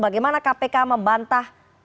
bagaimana kpk membantah